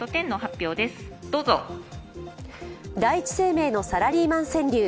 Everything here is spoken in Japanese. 第一生命のサラリーマン川柳。